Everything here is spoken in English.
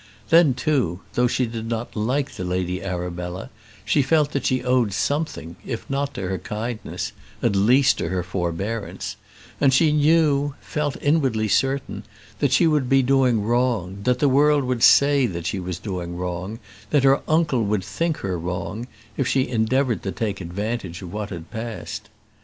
Then, too, though she did not like the Lady Arabella, she felt that she owed something, if not to her kindness, at least to her forbearance; and she knew, felt inwardly certain, that she would be doing wrong, that the world would say she was doing wrong, that her uncle would think her wrong, if she endeavoured to take advantage of what had passed.